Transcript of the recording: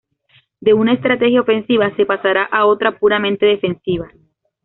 De una estrategia ofensiva se pasará a otra puramente defensiva.